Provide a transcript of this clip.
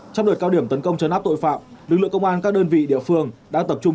trong đợt cao điểm tấn công chấn áp tội phạm lực lượng công an các đơn vị địa phương đang tập trung